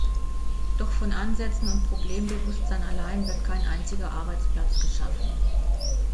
Doch von Ansätzen und Problembewusstsein allein wird kein einziger Arbeitsplatz geschaffen.